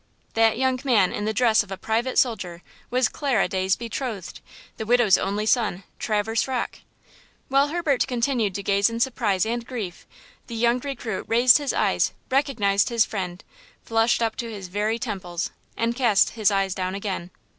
That young man in the dress of a private soldier was Clara Day's betrothed, the widow's only son, Traverse Rocke! While Herbert continued to gaze in surprise and grief, the young recruit raised his eyes, recognized his friend, flushed up to his very temples and cast his eyes down again.